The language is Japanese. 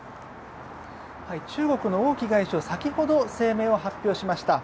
中国の王毅外相は先ほど声明を発表しました。